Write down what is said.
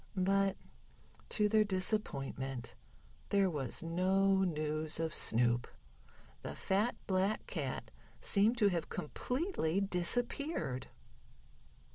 But to their disappointment there was no news of Snoop. The fat, black cat seemed to have completely disappeared.